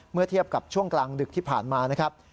เมื่อเทียบกับช่วงกลางดึกที่ผ่านมานะครับ